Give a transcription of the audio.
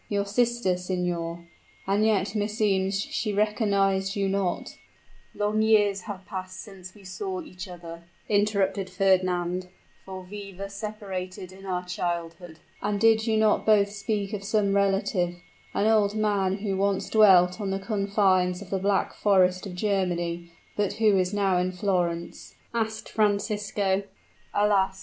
"Your sister, signor! And yet, meseems, she recognized you not " "Long years have passed since we saw each other," interrupted Fernand; "for we were separated in our childhood." "And did you not both speak of some relative an old man who once dwelt on the confines of the Black Forest of Germany, but who is now in Florence?" asked Francisco. "Alas!